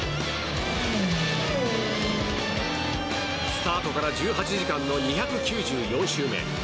スタートから１８時間の２９４周目。